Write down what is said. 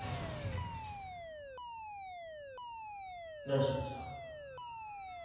何しに来た？